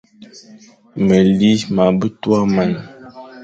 Meli ma be tua man,